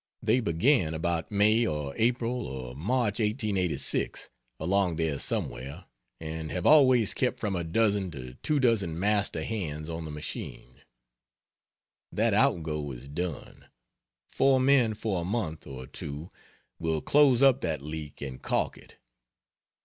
They began about May or April or March 1886 along there somewhere, and have always kept from a dozen to two dozen master hands on the machine. That outgo is done; 4 men for a month or two will close up that leak and caulk it.